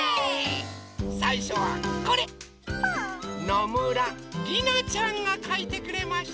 のむらりなちゃんがかいてくれました。